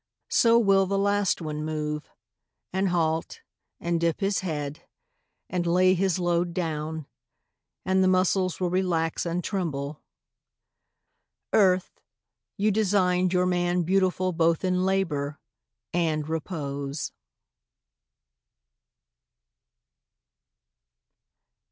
So will the last one move, And halt, and dip his head, and lay his load Down, and the muscles will relax and tremble. .. Earth, you designed your man Beautiful both in labour, and repose.